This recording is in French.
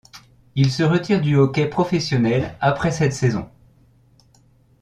Il se retire du hockey professionnel après cette saison.